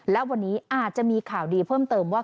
และวันนี้อาจจะมีข่าวดีเพิ่มเติมว่า